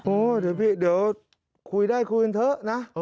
โอ้เดี๋ยวพี่เดี๋ยวคุยได้คุณเถอะนะ